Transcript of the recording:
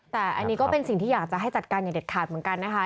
แต่อันนี้ก็เป็นสิ่งที่อยากจะให้จัดการอย่างเด็ดขาดเหมือนกันนะคะ